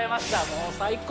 もう最高！